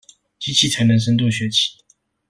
機器才能深度學習